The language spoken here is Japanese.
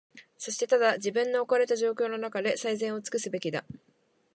そしてただ、自分の置かれた状況のなかで、最善をつくすべきだ。